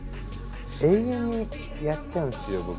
永遠にやっちゃうんですよ